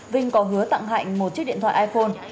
vinh có hứa tặng hạnh một chiếc điện thoại iphone